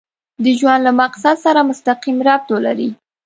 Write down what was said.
د ژوند له مقصد سره مسقيم ربط ولري.